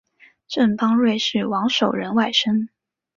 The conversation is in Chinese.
郑邦瑞是王守仁外甥。